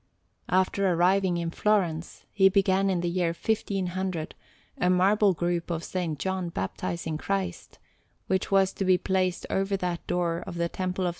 After arriving in Florence, he began in the year 1500 a marble group of S. John baptizing Christ, which was to be placed over that door of the Temple of S.